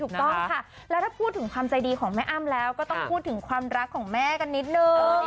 ถูกต้องค่ะแล้วถ้าพูดถึงความใจดีของแม่อ้ำแล้วก็ต้องพูดถึงความรักของแม่กันนิดนึง